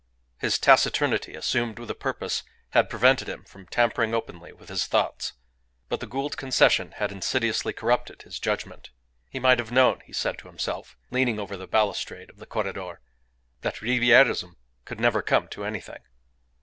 His taciturnity, assumed with a purpose, had prevented him from tampering openly with his thoughts; but the Gould Concession had insidiously corrupted his judgment. He might have known, he said to himself, leaning over the balustrade of the corredor, that Ribierism could never come to anything.